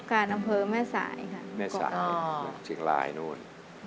การอำเภอแม่สายค่ะแม่สายเชียงรายนู่น